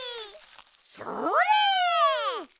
それ！